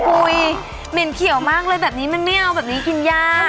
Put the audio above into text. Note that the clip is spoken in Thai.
เหม็นเขียวมากเลยแบบนี้มันไม่เอาแบบนี้กินยาก